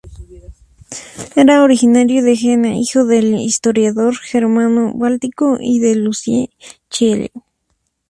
Era originario de Jena, hijo del historiador germano-báltico y de Lucie Schiele.